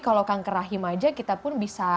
kalau kanker rahim aja kita pun bisa